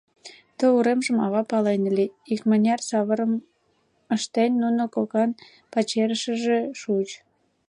Ты уремжым ава пален ыле, икмыняр савырым ыштен, нуно кокан пачерышкыже шуыч.